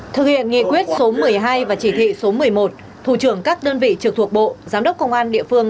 thực hiện nghị quyết số một mươi hai và chỉ thị số một mươi một thủ trưởng các đơn vị trực thuộc bộ giám đốc công an địa phương